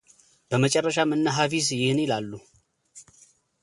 በመጨረሻም እነ ሐፊዝ ይህን ይላሉ።